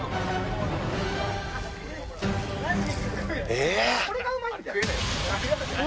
え